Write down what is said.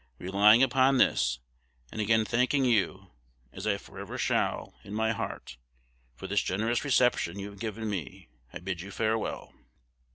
Relying upon this, and again thanking you, as I forever shall, in my heart, for this generous reception you have given me, I bid you farewell."